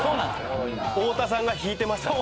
太田さんが引いてましたから。